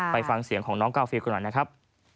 ฟังเสียงของน้องกาฟิลกันหน่อยนะครับ